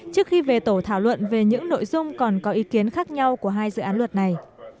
trước khi về tổ thảo luận về những nội dung còn có ý kiến khác nhau của hai dự án luật này